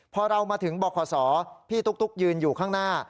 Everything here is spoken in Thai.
พอเรามาถึงบขพี่ตุ๊กยืนอยู่ข้างหน้า